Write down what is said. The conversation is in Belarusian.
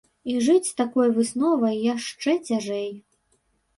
І жыць з такой высновай яшчэ цяжэй.